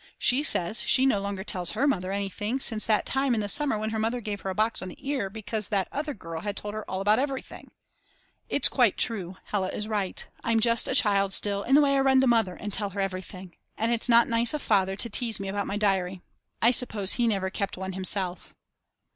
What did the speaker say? She says she no longer tells her mother anything since that time in the summer when her mother gave her a box on the ear because that other girl had told her all about everything. It's quite true, Hella is right, I'm just a child still in the way I run to Mother and tell her everything. And it's not nice of Father to tease me about my diary; I suppose he never kept one himself.